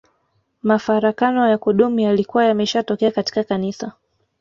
Mafarakano ya kudumu yalikuwa yameshatokea katika Kanisa